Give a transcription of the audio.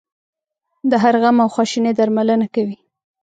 د هر غم او خواشینۍ درملنه کوي.